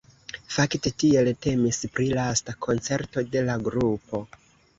Fakte tiel temis pri lasta koncerto de la grupo.